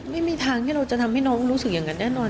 ไม่มีทางที่เราจะทำให้น้องรู้สึกอย่างนั้นแน่นอน